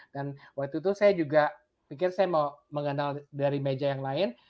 waktu itu saya juga pikir saya mau mengenal dari meja yang lain